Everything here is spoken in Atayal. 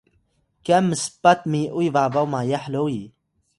kyan mspat mi’uy babaw mayah loyi